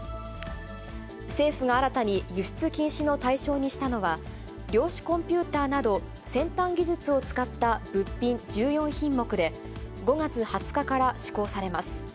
政府が新たに輸出禁止の対象にしたのは、量子コンピューターなど、先端技術を使った物品１４品目で、５月２０日から施行されます。